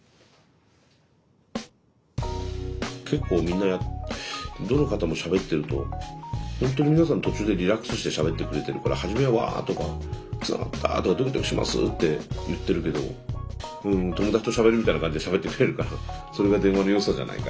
結構みんなどの方もしゃべってるとほんとに皆さん途中でリラックスしてしゃべってくれてるから初めは「わ！」とか「つながった」とか「ドキドキします」って言ってるけどうん友達としゃべるみたいな感じでしゃべってくれるからそれが電話の良さじゃないかね。